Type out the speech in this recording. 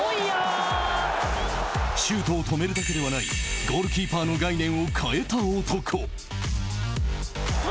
シュートを止めるだけではないゴールキーパーの概念を変えた男。